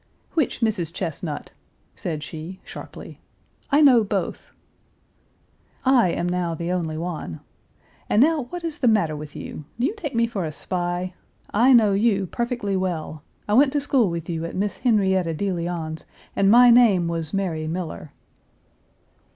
"Which Mrs. Chesnut?" said she (sharply). "I know both." "I am now the only one. And now what is the matter with you? Do you take me for a spy? I know you perfectly well. I went to school with you at Miss Henrietta de Leon's, and my name was Mary Miller."